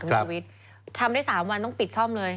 ทำได้๓วันต้องปิดซ่อมเลย